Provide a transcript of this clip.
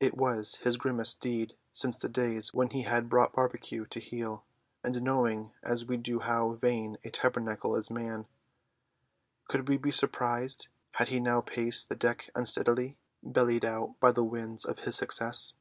It was his grimmest deed since the days when he had brought Barbecue to heel; and knowing as we do how vain a tabernacle is man, could we be surprised had he now paced the deck unsteadily, bellied out by the winds of his success?